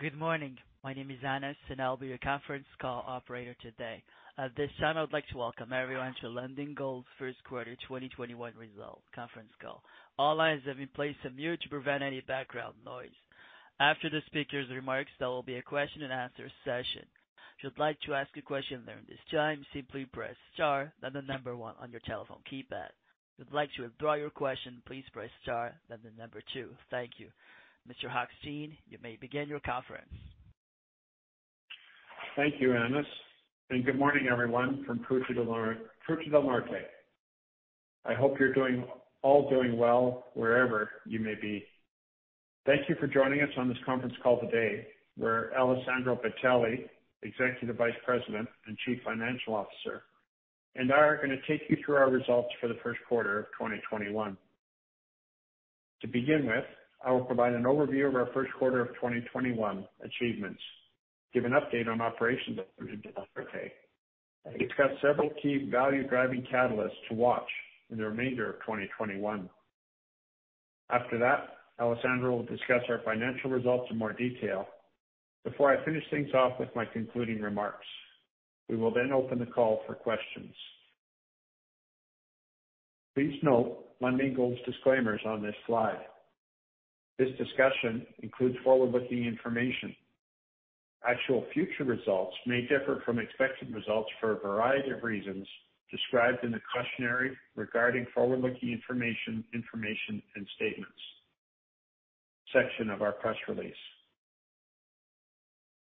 Good morning. My name is Anas, and I'll be your conference call operator today. At this time, I would like to welcome everyone to Lundin Gold's First Quarter 2021 Results Conference Call. All lines have been placed on mute to prevent any background noise. After the speaker's remarks, there will be a question-and-answer session. If you'd like to ask a question during this time, simply press star, then the number one on your telephone keypad. If you'd like to withdraw your question, please press star, then the number two. Thank you. Mr. Hochstein, you may begin your conference. Thank you, Anas, and good morning, everyone, from Fruta del Norte. I hope you're all doing well wherever you may be. Thank you for joining us on this conference call today. I am Ron Hochstein, President, CEO and Director of Lundin Gold, joined by Alessandro Bitelli, Executive Vice President and Chief Financial Officer, and I'm going to take you through our results for the first quarter of 2021. To begin with, I will provide an overview of our first quarter of 2021 achievements, give an update on operations at Fruta del Norte, and discuss several key value-driving catalysts to watch in the remainder of 2021. After that, Alessandro will discuss our financial results in more detail. Before I finish things off with my concluding remarks, we will then open the call for questions. Please note Lundin Gold's disclaimers on this slide. This discussion includes forward-looking information. Actual future results may differ from expected results for a variety of reasons described in the cautionary statements regarding forward-looking information and statements section of our press release.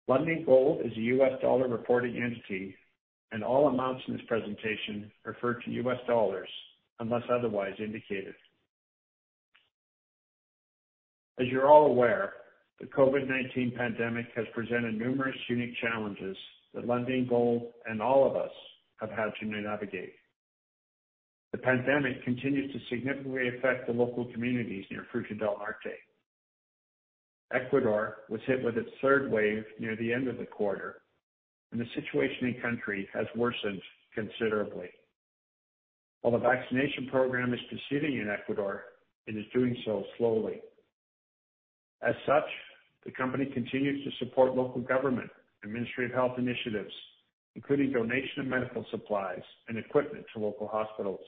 Lundin Gold is a U.S. dollar reporting entity, and all amounts in this presentation refer to U.S. dollars unless otherwise indicated. As you're all aware, the COVID-19 pandemic has presented numerous unique challenges that Lundin Gold and all of us have had to navigate. The pandemic continues to significantly affect the local communities near Fruta del Norte. Ecuador was hit with its third wave near the end of the quarter, and the situation in the country has worsened considerably. While the vaccination program is proceeding in Ecuador, it is doing so slowly. As such, the company continues to support local government and Ministry of Health initiatives, including donation of medical supplies and equipment to local hospitals,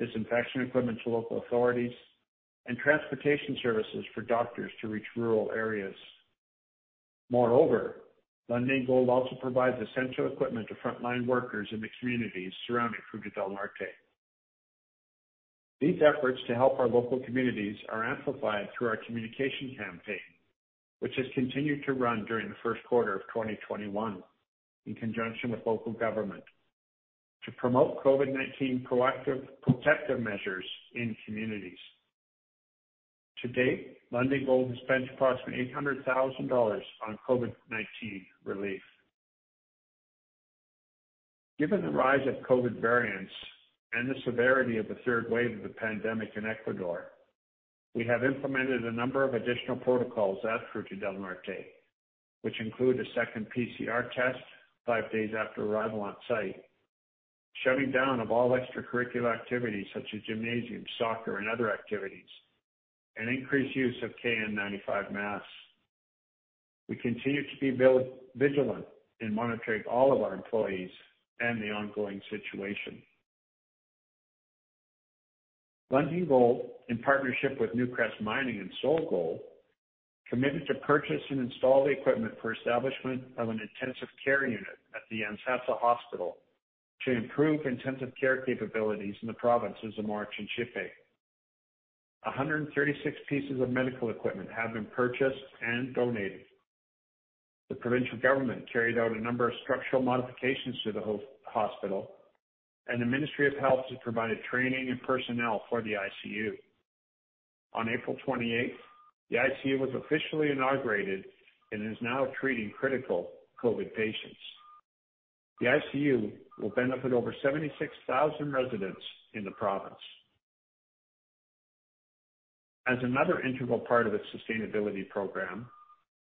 disinfection equipment to local authorities, and transportation services for doctors to reach rural areas. Moreover, Lundin Gold also provides essential equipment to frontline workers in the communities surrounding Fruta del Norte. These efforts to help our local communities are amplified through our communication campaign, which has continued to run during the first quarter of 2021 in conjunction with local government to promote COVID-19 protective measures in communities. To date, Lundin Gold has spent approximately $800,000 on COVID-19 relief. Given the rise of COVID variants and the severity of the third wave of the pandemic in Ecuador, we have implemented a number of additional protocols at Fruta del Norte, which include a second PCR test five days after arrival on site, shutting down of all extracurricular activities such as gymnasium, soccer, and other activities, and increased use of KN95 masks. We continue to be vigilant in monitoring all of our employees and the ongoing situation. Lundin Gold, in partnership with Newcrest Mining and SolGold, committed to purchase and install the equipment for establishment of an intensive care unit at the Yantzaza Hospital to improve intensive care capabilities in the provinces of Morona-Santiago and Zamora-Chinchipe. 136 pieces of medical equipment have been purchased and donated. The provincial government carried out a number of structural modifications to the hospital, and the Ministry of Health has provided training and personnel for the ICU. On April 28th, the ICU was officially inaugurated and is now treating critical COVID patients. The ICU will benefit over 76,000 residents in the province. As another integral part of its sustainability program,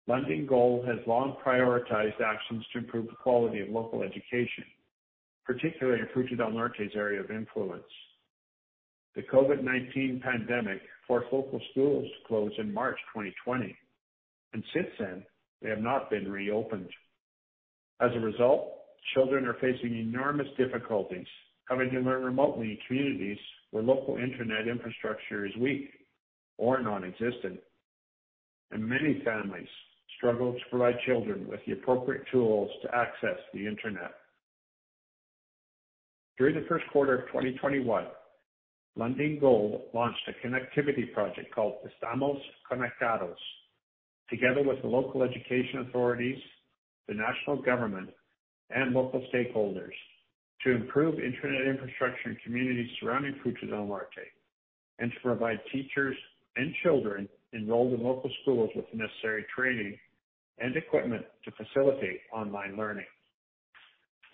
Lundin Gold has long prioritized actions to improve the quality of local education, particularly in Fruta del Norte's area of influence. The COVID-19 pandemic forced local schools to close in March 2020, and since then, they have not been reopened. As a result, children are facing enormous difficulties having to learn remotely in communities where local internet infrastructure is weak or nonexistent, and many families struggle to provide children with the appropriate tools to access the internet. During the first quarter of 2021, Lundin Gold launched a connectivity project called Estamos Conectados, together with the local education authorities, the national government, and local stakeholders, to improve internet infrastructure in communities surrounding Fruta del Norte and to provide teachers and children enrolled in local schools with the necessary training and equipment to facilitate online learning.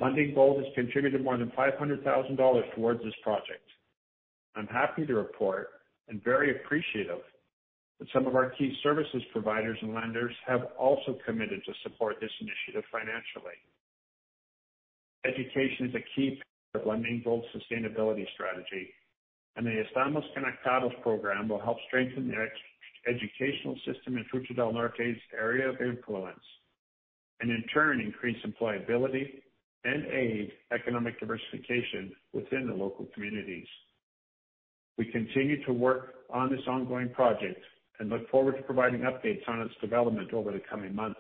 Lundin Gold has contributed more than $500,000 towards this project. I'm happy to report and very appreciative that some of our key services providers and lenders have also committed to support this initiative financially. Education is a key part of Lundin Gold's sustainability strategy, and the Estamos Conectados program will help strengthen the educational system in Fruta del Norte's area of influence and, in turn, increase employability and aid economic diversification within the local communities. We continue to work on this ongoing project and look forward to providing updates on its development over the coming months.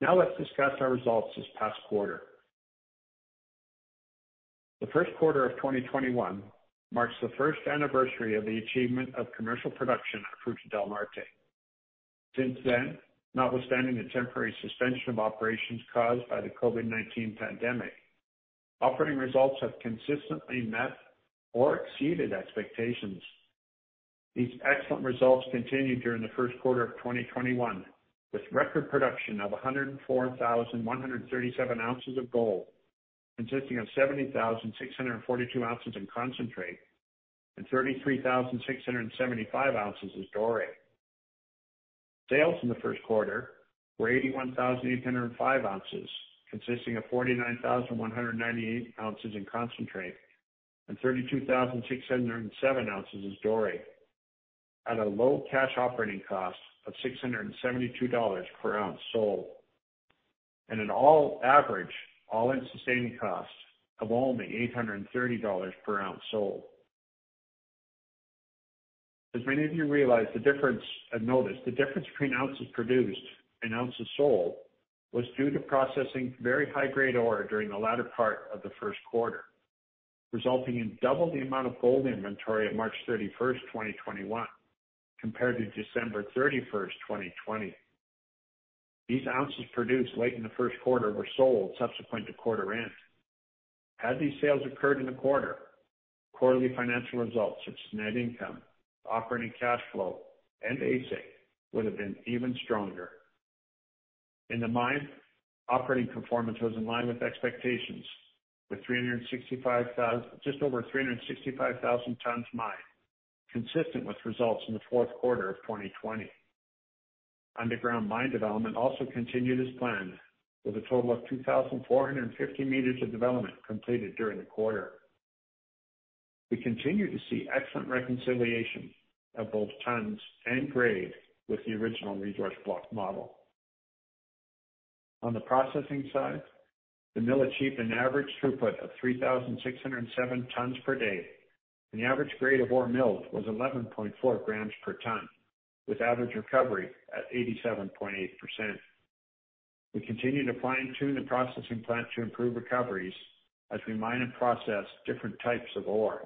Now let's discuss our results this past quarter. The first quarter of 2021 marks the first anniversary of the achievement of commercial production at Fruta del Norte. Since then, notwithstanding the temporary suspension of operations caused by the COVID-19 pandemic, operating results have consistently met or exceeded expectations. These excellent results continued during the first quarter of 2021, with record production of 104,137 ounces of gold consisting of 70,642 ounces in concentrate and 33,675 ounces as doré. Sales in the first quarter were 81,805 ounces consisting of 49,198 ounces in concentrate and 32,607 ounces as doré, at a low cash operating cost of $672 per ounce sold, and an all-in sustaining cost of only $830 per ounce sold. As many of you realize, the difference I've noticed between ounces produced and ounces sold was due to processing very high-grade ore during the latter part of the first quarter, resulting in double the amount of gold inventory at March 31st, 2021, compared to December 31st, 2020. These ounces produced late in the first quarter were sold subsequent to quarter-end. Had these sales occurred in the quarter, quarterly financial results such as net income, operating cash flow, and AISC would have been even stronger. In the mine, operating performance was in line with expectations with just over 365,000 tonnes mined, consistent with results in the fourth quarter of 2020. Underground mine development also continued as planned, with a total of 2,450 meters of development completed during the quarter. We continue to see excellent reconciliation of both tonnes and grade with the original resource block model. On the processing side, the mill achieved an average throughput of 3,607 tonnes per day, and the average grade of ore milled was 11.4 grams per tonne, with average recovery at 87.8%. We continue to fine-tune the processing plant to improve recoveries as we mine and process different types of ore.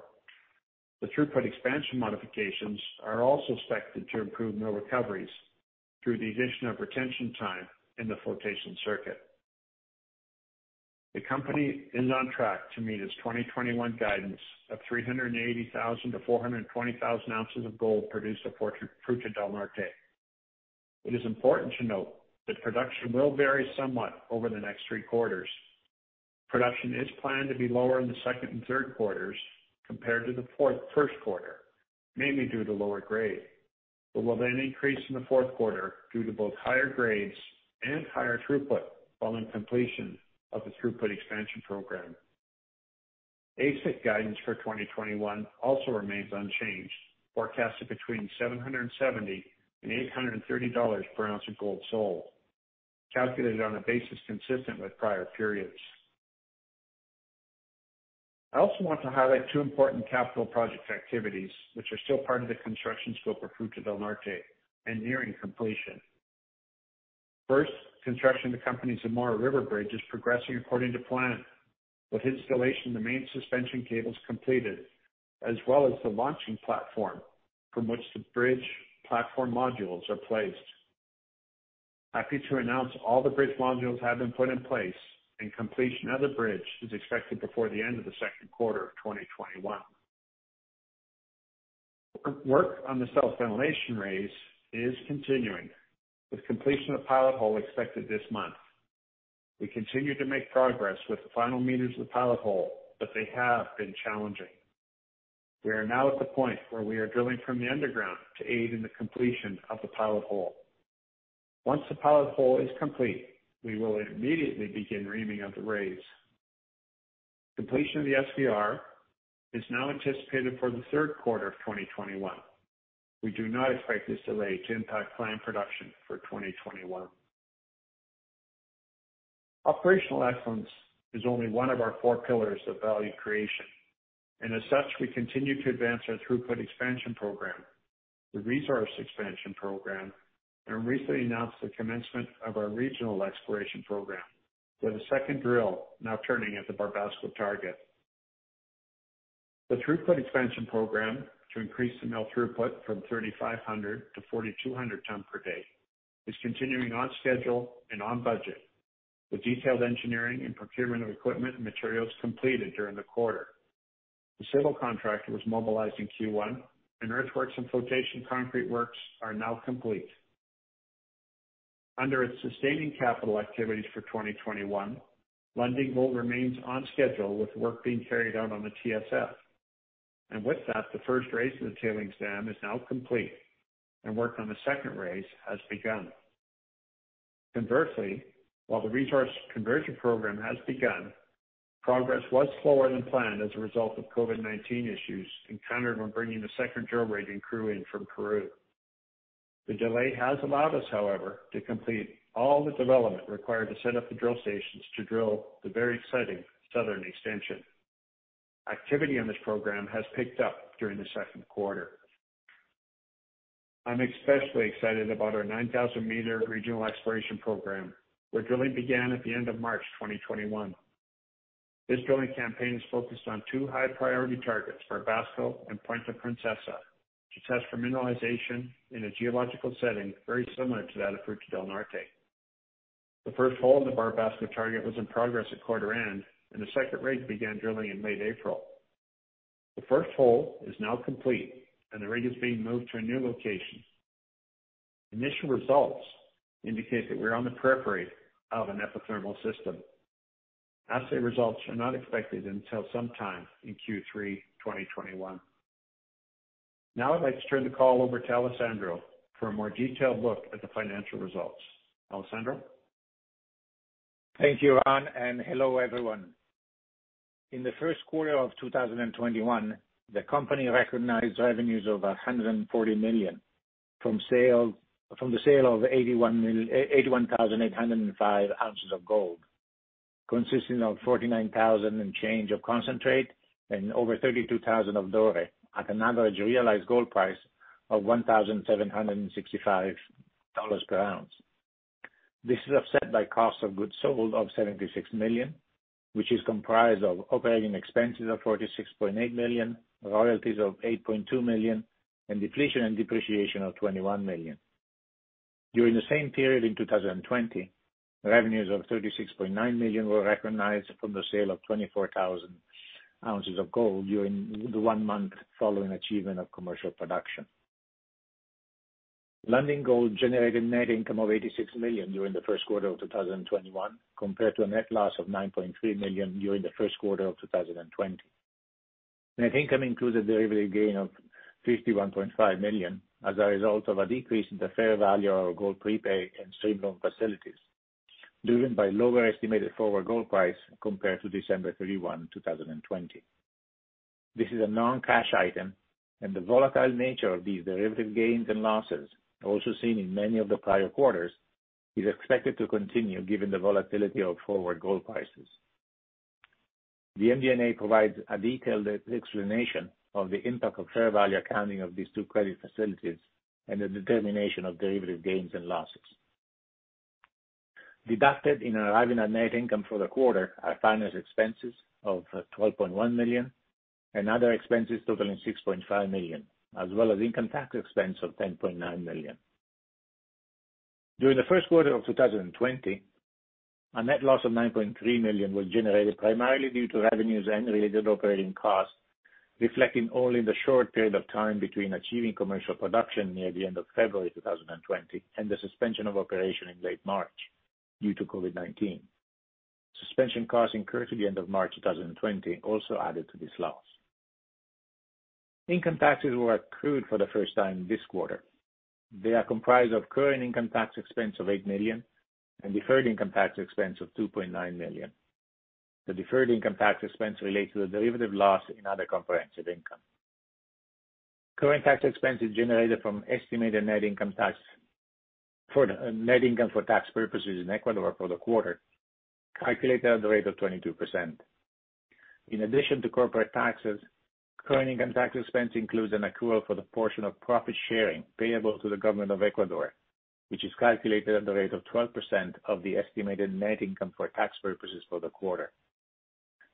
The throughput expansion modifications are also expected to improve mill recoveries through the addition of retention time in the flotation circuit. The company is on track to meet its 2021 guidance of 380,000-420,000 ounces of gold produced at Fruta del Norte. It is important to note that production will vary somewhat over the next three quarters. Production is planned to be lower in the second and third quarters compared to the first quarter, mainly due to lower grade, but will then increase in the fourth quarter due to both higher grades and higher throughput following completion of the throughput expansion program. AISC guidance for 2021 also remains unchanged, forecasted between $770 and $830 per ounce of gold sold, calculated on a basis consistent with prior periods. I also want to highlight two important capital project activities, which are still part of the construction scope of Fruta del Norte and nearing completion. First, construction of the company's Zamora River Bridge is progressing according to plan, with installation of the main suspension cables completed, as well as the launching platform from which the bridge platform modules are placed. Happy to announce all the bridge modules have been put in place, and completion of the bridge is expected before the end of the second quarter of 2021. Work on the South Ventilation Raise is continuing, with completion of the pilot hole expected this month. We continue to make progress with the final meters of the pilot hole, but they have been challenging. We are now at the point where we are drilling from the underground to aid in the completion of the pilot hole. Once the pilot hole is complete, we will immediately begin reaming of the raise. Completion of the SVR is now anticipated for the third quarter of 2021. We do not expect this delay to impact plant production for 2021. Operational excellence is only one of our four pillars of value creation, and as such, we continue to advance our throughput expansion program, the resource expansion program, and recently announced the commencement of our regional exploration program, with a second drill now turning at the Barbasco target. The throughput expansion program to increase the mill throughput from 3,500 to 4,200 tons per day is continuing on schedule and on budget, with detailed engineering and procurement of equipment and materials completed during the quarter. The civil contract was mobilized in Q1, and earthworks and flotation concrete works are now complete. Under its sustaining capital activities for 2021, Lundin Gold remains on schedule with work being carried out on the TSF, and with that, the first raise of the tailings dam is now complete, and work on the second raise has begun. Conversely, while the resource conversion program has begun, progress was slower than planned as a result of COVID-19 issues encountered when bringing the second drill rig and crew in from Peru. The delay has allowed us, however, to complete all the development required to set up the drill stations to drill the very exciting southern extension. Activity on this program has picked up during the second quarter. I'm especially excited about our 9,000-meter regional exploration program, where drilling began at the end of March 2021. This drilling campaign is focused on two high-priority targets: Barbasco and Puente-Princesa, to test for mineralization in a geological setting very similar to that of Fruta del Norte. The first hole in the Barbasco target was in progress at quarter-end, and the second rig began drilling in late April. The first hole is now complete, and the rig is being moved to a new location. Initial results indicate that we're on the periphery of an epithermal system. Assay results are not expected until sometime in Q3 2021. Now I'd like to turn the call over to Alessandro for a more detailed look at the financial results. Alessandro? Thank you, Anas, and hello everyone. In the first quarter of 2021, the company recognized revenues of $140 million from the sale of 81,805 ounces of gold, consisting of 49,000 and change of concentrate and over 32,000 of doré, at an average realized gold price of $1,765 per ounce. This is offset by cost of goods sold of $76 million, which is comprised of operating expenses of $46.8 million, royalties of $8.2 million, and depletion and depreciation of $21 million. During the same period in 2020, revenues of $36.9 million were recognized from the sale of 24,000 ounces of gold during the one month following achievement of commercial production. Lundin Gold generated net income of $86 million during the first quarter of 2021, compared to a net loss of $9.3 million during the first quarter of 2020. Net income included derivative gain of $51.5 million as a result of a decrease in the fair value of our gold prepay and stream facilities, driven by lower estimated forward gold price compared to December 31, 2020. This is a non-cash item, and the volatile nature of these derivative gains and losses, also seen in many of the prior quarters, is expected to continue given the volatility of forward gold prices. The MD&A provides a detailed explanation of the impact of fair value accounting of these two credit facilities and the determination of derivative gains and losses. Deducted in arriving at net income for the quarter are finance expenses of $12.1 million and other expenses totaling $6.5 million, as well as income tax expense of $10.9 million. During the first quarter of 2020, a net loss of $9.3 million was generated primarily due to revenues and related operating costs, reflecting only the short period of time between achieving commercial production near the end of February 2020 and the suspension of operation in late March due to COVID-19. Suspension costs incurred through the end of March 2020 also added to this loss. Income taxes were accrued for the first time this quarter. They are comprised of current income tax expense of $8 million and deferred income tax expense of $2.9 million. The deferred income tax expense relates to the derivative loss in other comprehensive income. Current tax expenses generated from estimated net income tax for net income for tax purposes in Ecuador for the quarter, calculated at the rate of 22%. In addition to corporate taxes, current income tax expense includes an accrual for the portion of profit sharing payable to the government of Ecuador, which is calculated at the rate of 12% of the estimated net income for tax purposes for the quarter.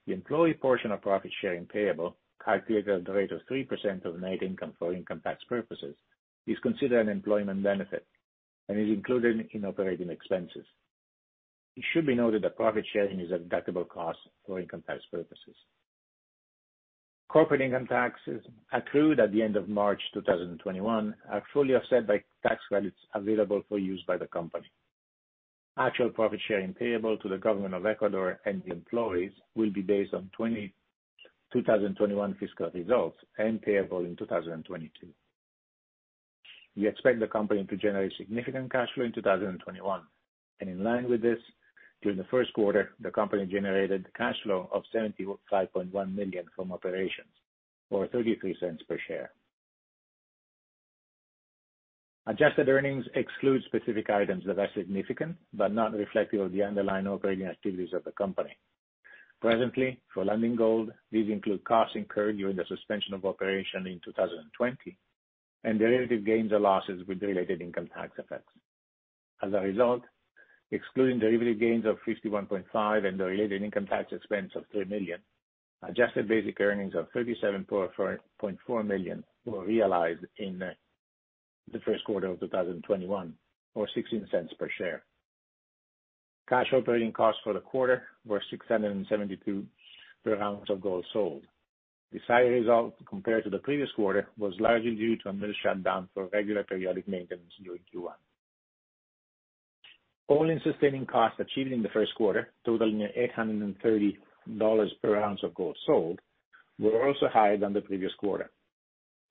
The employee portion of profit sharing payable, calculated at the rate of 3% of net income for income tax purposes, is considered an employment benefit and is included in operating expenses. It should be noted that profit sharing is a deductible cost for income tax purposes. Corporate income taxes accrued at the end of March 2021 are fully offset by tax credits available for use by the company. Actual profit sharing payable to the government of Ecuador and the employees will be based on 2021 fiscal results and payable in 2022. We expect the company to generate significant cash flow in 2021, and in line with this, during the first quarter, the company generated cash flow of $75.1 million from operations, or $0.33 per share. Adjusted earnings exclude specific items that are significant but not reflective of the underlying operating activities of the company. Presently, for Lundin Gold, these include costs incurred during the suspension of operation in 2020 and derivative gains or losses with related income tax effects. As a result, excluding derivative gains of $51.5 million and the related income tax expense of $3 million, adjusted basic earnings of $37.4 million were realized in the first quarter of 2021, or $0.16 per share. Cash operating costs for the quarter were $672 per ounce of gold sold. This result compared to the previous quarter was largely due to a mill shutdown for regular periodic maintenance during Q1. All-in sustaining costs achieved in the first quarter, totaling $830 per ounce of gold sold, were also higher than the previous quarter.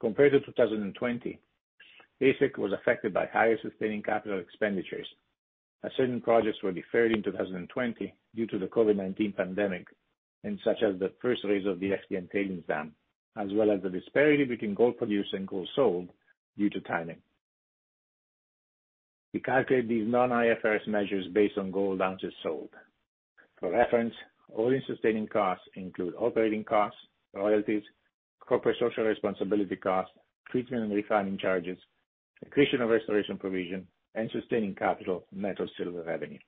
Compared to 2020, AISC was affected by higher sustaining capital expenditures. Certain projects were deferred in 2020 due to the COVID-19 pandemic, such as the first raise of the FDN tailings dam, as well as the disparity between gold produced and gold sold due to timing. We calculate these non-IFRS measures based on gold ounces sold. For reference, all in sustaining costs include operating costs, royalties, corporate social responsibility costs, treatment and refining charges, accretion of restoration provision, and sustaining capital net of silver revenue.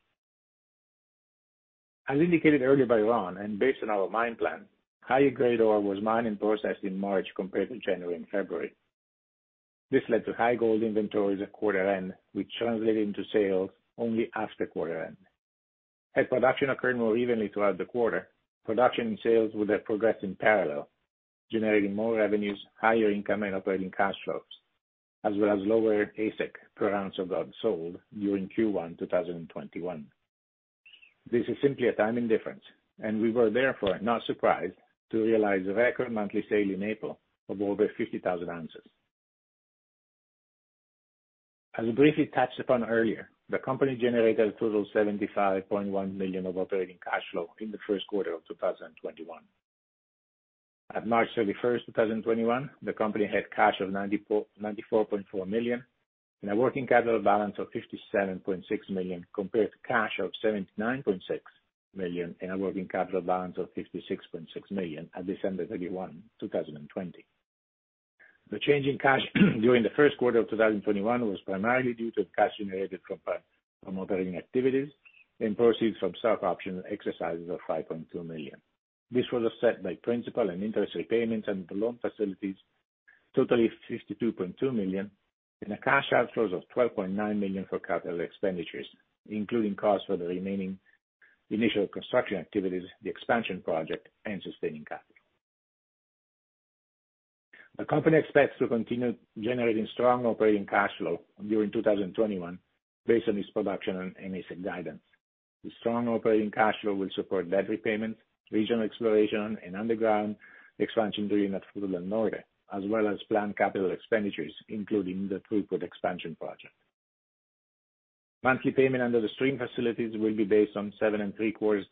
As indicated earlier by Ron, and based on our mine plan, higher grade ore was mined and processed in March compared to January and February. This led to high gold inventories at quarter-end, which translated into sales only after quarter-end. As production occurred more evenly throughout the quarter, production and sales would have progressed in parallel, generating more revenues, higher income, and operating cash flows, as well as lower AISC per ounce of gold sold during Q1 2021. This is simply a timing difference, and we were therefore not surprised to realize a record monthly sale in April of over 50,000 ounces. As we briefly touched upon earlier, the company generated a total of $75.1 million of operating cash flow in the first quarter of 2021. At March 31, 2021, the company had cash of $94.4 million and a working capital balance of $57.6 million compared to cash of $79.6 million and a working capital balance of $56.6 million at December 31, 2020. The change in cash during the first quarter of 2021 was primarily due to the cash generated from operating activities and proceeds from stock option exercises of $5.2 million. This was offset by principal and interest repayments and loan facilities, totaling $52.2 million, and a cash outflow of $12.9 million for capital expenditures, including costs for the remaining initial construction activities, the expansion project, and sustaining capital. The company expects to continue generating strong operating cash flow during 2021 based on its production and AISC guidance. The strong operating cash flow will support debt repayments, regional exploration, and underground expansion during the final quarter, as well as planned capital expenditures, including the throughput expansion project. Monthly payment under the stream facilities will be based on 7.75%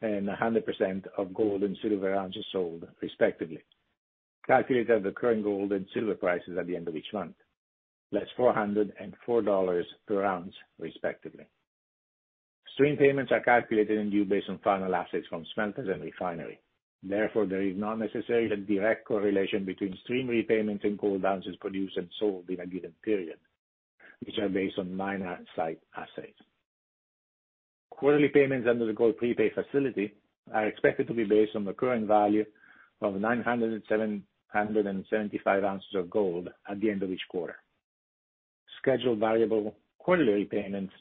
and 100% of gold and silver ounces sold, respectively, calculated at the current gold and silver prices at the end of each month, less $404 per ounce, respectively. Stream payments are calculated and due based on final assays from smelters and refineries. Therefore, there is no necessary direct correlation between stream repayments and gold ounces produced and sold in a given period, which are based on mine-site assays. Quarterly payments under the gold prepay facility are expected to be based on the current value of 975 ounces of gold at the end of each quarter. Scheduled variable quarterly repayments,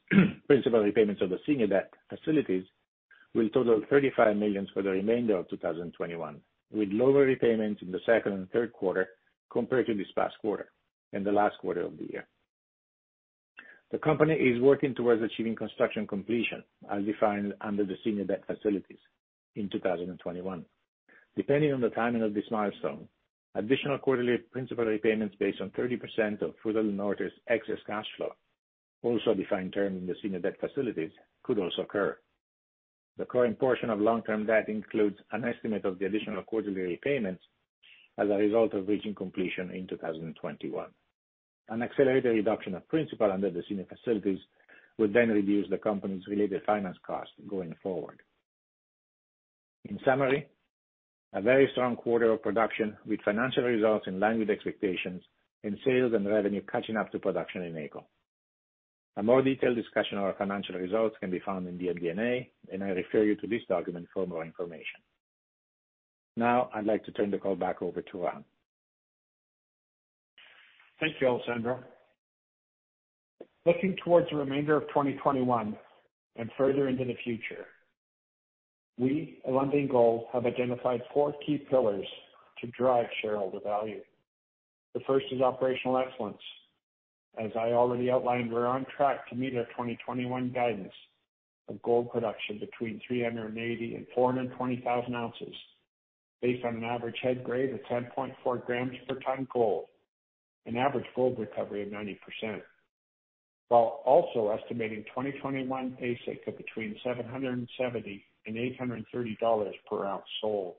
principal repayments of the senior debt facilities, will total $35 million for the remainder of 2021, with lower repayments in the second and third quarter compared to this past quarter and the last quarter of the year. The company is working towards achieving construction completion, as defined under the senior debt facilities, in 2021. Depending on the timing of this milestone, additional quarterly principal repayments based on 30% of Total and mortgage excess cash flow, also defined term in the senior debt facilities, could also occur. The current portion of long-term debt includes an estimate of the additional quarterly repayments as a result of reaching completion in 2021. An accelerated reduction of principal under the senior facilities would then reduce the company's related finance costs going forward. In summary, a very strong quarter of production with financial results in line with expectations and sales and revenue catching up to production in April. A more detailed discussion of our financial results can be found in the MD&A, and I refer you to this document for more information. Now, I'd like to turn the call back over to Ron. Thank you, Alessandro. Looking towards the remainder of 2021 and further into the future, we at Lundin Gold have identified four key pillars to drive shareholder value. The first is operational excellence. As I already outlined, we're on track to meet our 2021 guidance of gold production between 380 and 420,000 ounces based on an average head grade of 10.4 grams per ton gold and average gold recovery of 90%, while also estimating 2021 AISC at between $770 and $830 per ounce sold.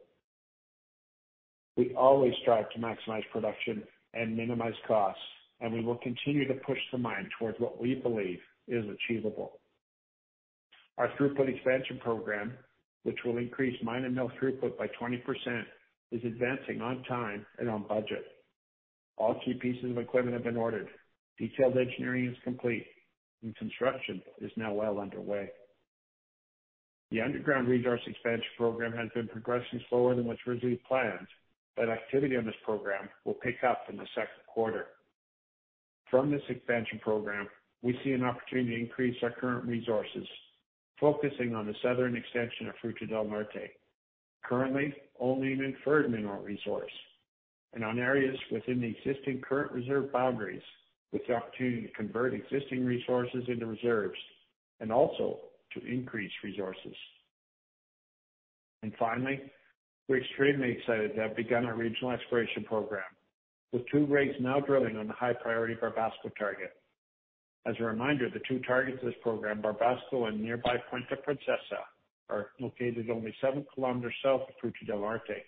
We always strive to maximize production and minimize costs, and we will continue to push the mine towards what we believe is achievable. Our throughput expansion program, which will increase mine and mill throughput by 20%, is advancing on time and on budget. All key pieces of equipment have been ordered. Detailed engineering is complete, and construction is now well underway. The underground resource expansion program has been progressing slower than was originally planned, but activity on this program will pick up in the second quarter. From this expansion program, we see an opportunity to increase our current resources, focusing on the southern extension of Fruta del Norte, currently only an inferred mineral resource, and on areas within the existing current reserve boundaries, with the opportunity to convert existing resources into reserves and also to increase resources. Finally, we're extremely excited to have begun our regional exploration program, with two rigs now drilling on the high priority Barbasco target. As a reminder, the two targets of this program, Barbasco and nearby Puente-Princesa, are located only seven kilometers south of Fruta del Norte,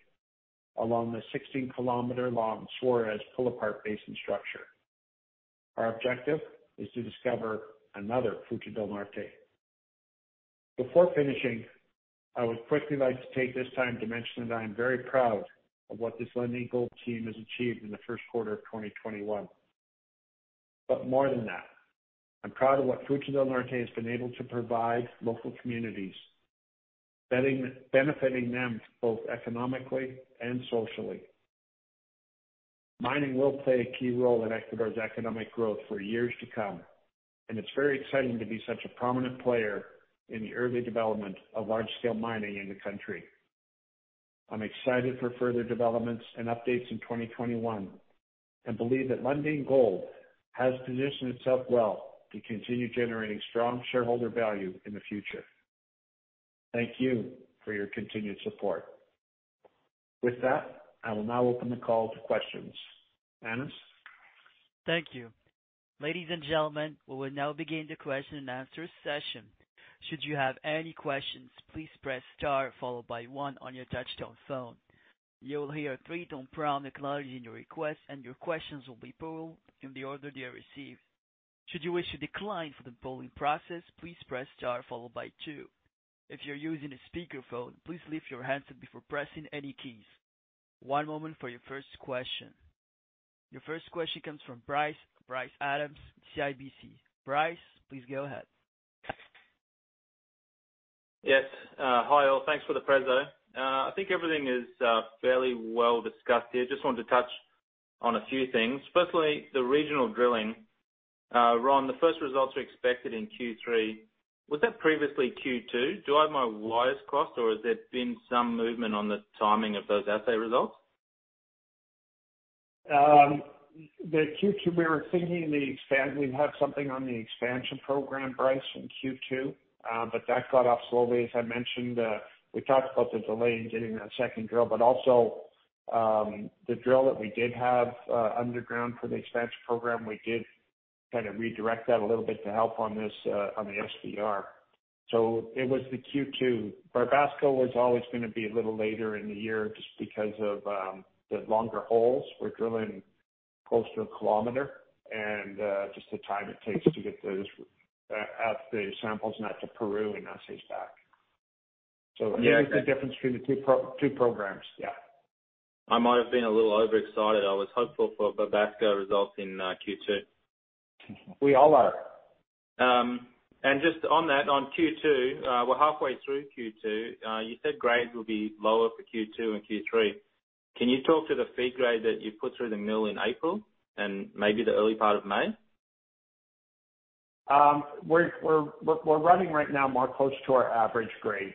along the 16-kilometer-long Suarez Pull-Apart Basin structure. Our objective is to discover another Fruta del Norte. Before finishing, I would quickly like to take this time to mention that I am very proud of what this Lundin Gold team has achieved in the first quarter of 2021. But more than that, I'm proud of what Fruta del Norte has been able to provide local communities, benefiting them both economically and socially. Mining will play a key role in Ecuador's economic growth for years to come, and it's very exciting to be such a prominent player in the early development of large-scale mining in the country. I'm excited for further developments and updates in 2021 and believe that Lundin Gold has positioned itself well to continue generating strong shareholder value in the future. Thank you for your continued support. With that, I will now open the call to questions. Anas? Thank you. Ladies and gentlemen, we will now begin the question and answer session. Should you have any questions, please press star followed by one on your touch-tone phone. You will hear three tones acknowledging your request, and your questions will be polled in the order they are received. Should you wish to decline for the polling process, please press star followed by two. If you're using a speakerphone, please lift your hands up before pressing any keys. One moment for your first question. Your first question comes from Bryce Adams, CIBC. Bryce, please go ahead. Yes. Hi, all. Thanks for the presentation. I think everything is fairly well discussed here. Just wanted to touch on a few things. Firstly, the regional drilling. Ron, the first results were expected in Q3. Was that previously Q2? Do I have my wires crossed, or has there been some movement on the timing of those assay results? The Q2, we were thinking we'd have something on the expansion program, Bryce, in Q2, but that got off slowly, as I mentioned. We talked about the delay in getting that second drill, but also the drill that we did have underground for the expansion program, we did kind of redirect that a little bit to help on the SVR. So it was the Q2. Barbasco was always going to be a little later in the year just because of the longer holes. We're drilling close to a kilometer and just the time it takes to get the samples and have to Peru and assays back. So I think it's the difference between the two programs. Yeah. I might have been a little overexcited. I was hopeful for Barbasco results in Q2. We all are. And just on that, on Q2, we're halfway through Q2. You said grades will be lower for Q2 and Q3. Can you talk to the feed grade that you put through the mill in April and maybe the early part of May? We're running right now more close to our average grades,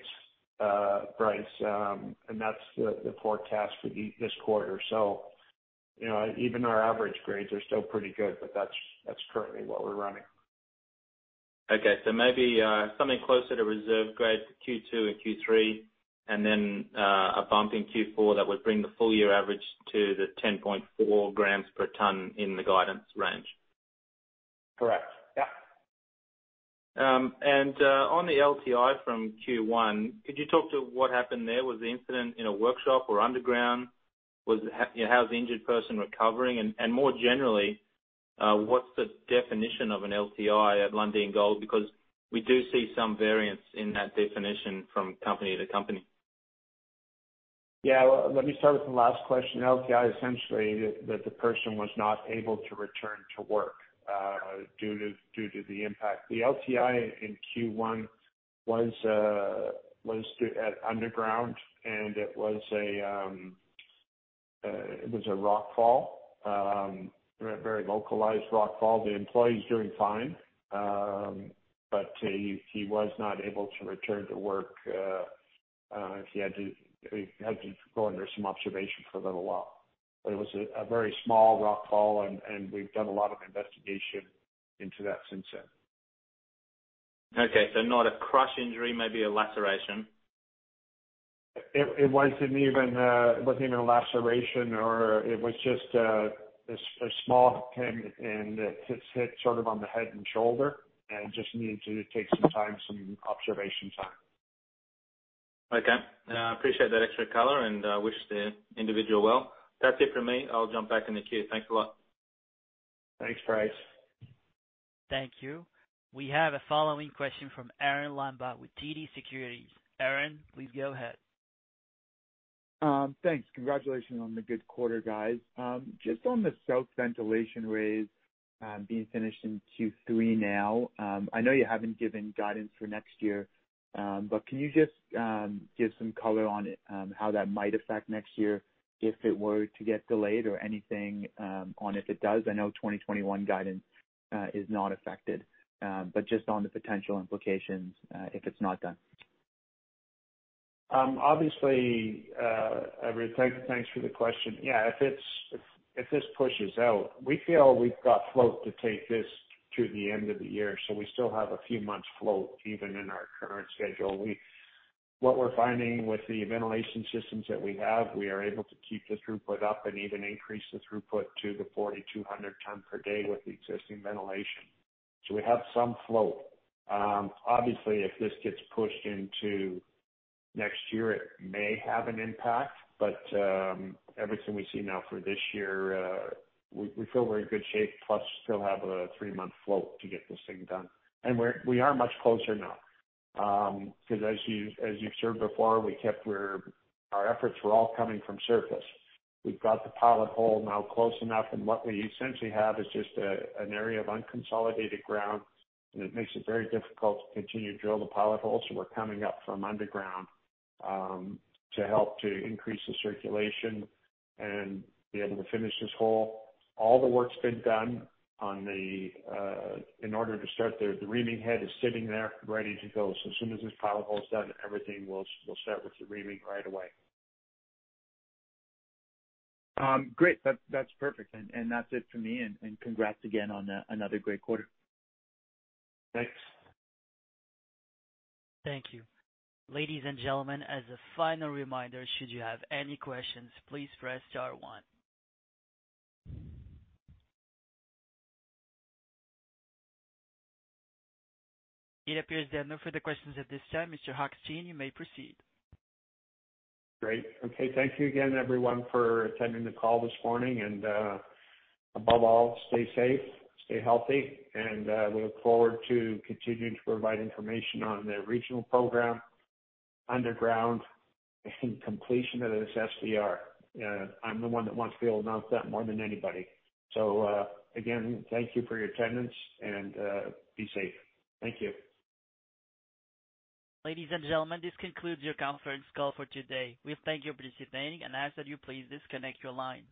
Bryce, and that's the forecast for this quarter. So even our average grades are still pretty good, but that's currently what we're running. Okay, so maybe something closer to reserve grade for Q2 and Q3, and then a bump in Q4 that would bring the full year average to the 10.4 grams per ton in the guidance range. Correct. Yeah. And on the LTI from Q1, could you talk to what happened there? Was the incident in a workshop or underground? How's the injured person recovering? And more generally, what's the definition of an LTI at Lundin Gold? Because we do see some variance in that definition from company to company. Yeah. Let me start with the last question. LTI, essentially, that the person was not able to return to work due to the impact. The LTI in Q1 was at underground, and it was a rockfall, a very localized rockfall. The employee's doing fine, but he was not able to return to work. He had to go under some observation for a little while. But it was a very small rockfall, and we've done a lot of investigation into that since then. Okay. So not a crush injury, maybe a laceration? It wasn't even a laceration, or it was just a small thing, and it's hit sort of on the head and shoulder, and just needed to take some observation time. Okay. I appreciate that extra color and wish the individual well. That's it for me. I'll jump back in the queue. Thanks a lot. Thanks, Bryce. Thank you. We have a following question from Arun Lamba with TD Securities. Arun, please go ahead. Thanks. Congratulations on the good quarter, guys. Just on the South Ventilation Raise, being finished in Q3 now, I know you haven't given guidance for next year, but can you just give some color on how that might affect next year if it were to get delayed or anything on if it does? I know 2021 guidance is not affected, but just on the potential implications if it's not done. Obviously, everyone, thanks for the question. Yeah. If this pushes out, we feel we've got float to take this to the end of the year, so we still have a few months float even in our current schedule. What we're finding with the ventilation systems that we have, we are able to keep the throughput up and even increase the throughput to the 4,200 ton per day with the existing ventilation. So we have some float. Obviously, if this gets pushed into next year, it may have an impact, but everything we see now for this year, we feel we're in good shape, plus still have a three-month float to get this thing done. And we are much closer now because, as you've heard before, our efforts were all coming from surface. We've got the pilot hole now close enough, and what we essentially have is just an area of unconsolidated ground, and it makes it very difficult to continue to drill the pilot hole. So we're coming up from underground to help to increase the circulation and be able to finish this hole. All the work's been done in order to start. The reaming head is sitting there ready to go. So as soon as this pilot hole's done, everything will start with the reaming right away. Great. That's perfect. And that's it for me, and congrats again on another great quarter. Thanks. Thank you. Ladies and gentlemen, as a final reminder, should you have any questions, please press star one. It appears there are no further questions at this time. Mr. Hochstein, you may proceed. Great. Okay. Thank you again, everyone, for attending the call this morning. And above all, stay safe, stay healthy, and we look forward to continuing to provide information on the regional program, underground, and completion of this SVR. I'm the one that wants to be able to announce that more than anybody. So again, thank you for your attendance, and be safe. Thank you. Ladies and gentlemen, this concludes your conference call for today. We thank you for participating, and ask that you please disconnect your lines.